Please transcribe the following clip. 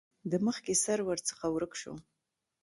د مخکې سر ورڅخه ورک شو.